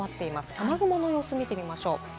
雨雲の様子を見てみましょう。